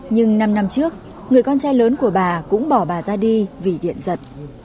nhưng năm năm trước người con trai lớn của bà cũng bỏ bà ra đi vì điện giật